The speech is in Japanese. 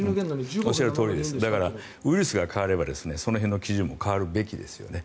ウイルスが変わればその辺の基準も変わるべきですよね。